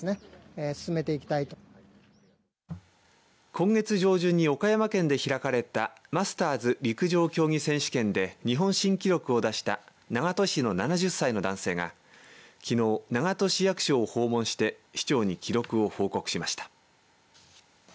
今月上旬に岡山県で開かれたマスターズ陸上競技選手権で日本新記録を出した長門市の７０歳の男性がきのう長門市役所を訪問して市長に記録を報告しました。